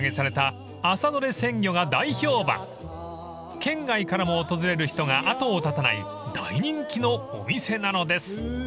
［県外からも訪れる人が後を絶たない大人気のお店なのです］